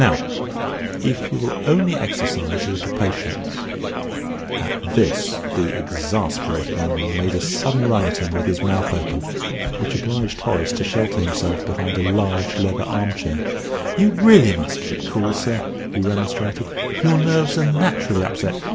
Now, if you will only exercise a little patience " At this the exasperated animal made a sudden run at him with his mouth open, which obliged Horace to shelter himself behind a large leather arm chair. "You really must keep cool, sir," he remonstrated; "your nerves are naturally upset.